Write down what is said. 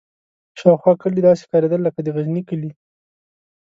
شاوخوا کلي داسې ښکارېدل لکه د غزني کلي.